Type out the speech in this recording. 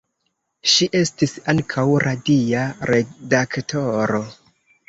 Ŝi estis ankaŭ radia redaktoro.